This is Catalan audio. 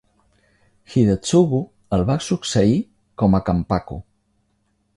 Hidetsugu el va succeir com a "kampaku".